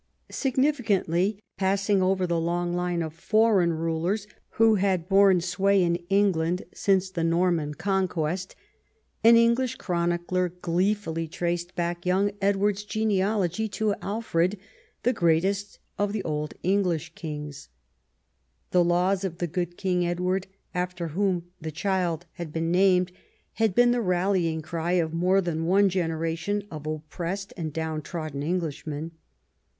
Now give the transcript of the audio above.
Significantly passing over the long line of foreign rulers who had borne sway in PiUgland since the & B 2 EDWARD I CHAP. Norman Conquest, an English chronicler gleefully traced back young Edward's genealogy to Alfred, the greatest of the old English kings. The laws of the good King Edward, after whom the child had been named, had been the rallying cry of more than one generation of oppressed and down trodden Englishmen.